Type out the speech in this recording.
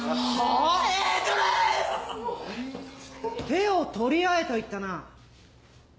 手を取り合えと言ったな。